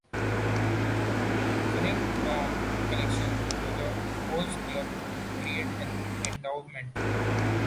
Frank Baum collection to the Oz Club, to create an endowment.